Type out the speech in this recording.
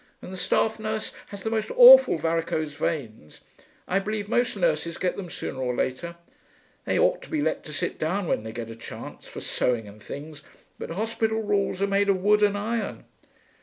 And the staff nurse has the most awful varicose veins. I believe most nurses get them sooner or later. They ought to be let to sit down when they get a chance, for sewing and things, but hospital rules are made of wood and iron.